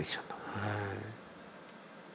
はい。